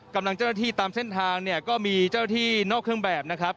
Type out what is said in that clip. กำลังเจ้าหน้าที่ตามเส้นทางเนี่ยก็มีเจ้าที่นอกเครื่องแบบนะครับ